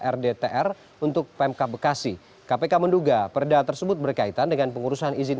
rdtr untuk pemka bekasi kpk menduga perda tersebut berkaitan dengan pengurusan izin